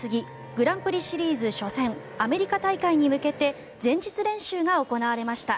グランプリシリーズ初戦アメリカ大会に向けて前日練習が行われました。